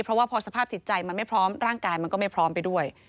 เพราะว่าพอสภาพจิตใจมันไม่พร้อมร่างกายมันก็ไม่พร้อมไปด้วย